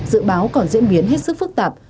dự báo còn diễn biến hết sức phức tạp